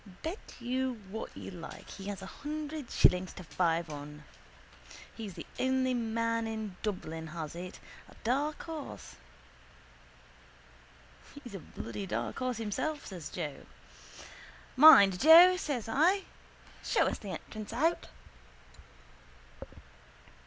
Bet you what you like he has a hundred shillings to five on. He's the only man in Dublin has it. A dark horse. —He's a bloody dark horse himself, says Joe. —Mind, Joe, says I. Show us the entrance out.